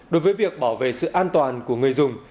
đối với việc bảo vệ sự an toàn của người dùng